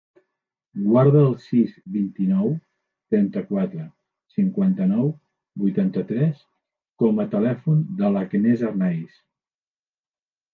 Guarda el sis, vint-i-nou, trenta-quatre, cinquanta-nou, vuitanta-tres com a telèfon de l'Agnès Arnaiz.